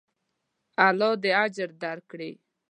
الله دې اجر درکړي.